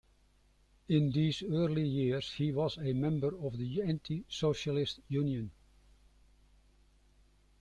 In these early years he was a member of the Anti-Socialist Union.